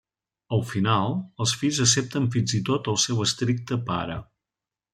Al final, els fills accepten fins i tot el seu estricte pare.